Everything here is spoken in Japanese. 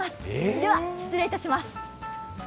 では、失礼いたします。